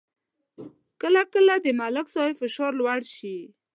کله کله د ملک صاحب فشار لوړ شي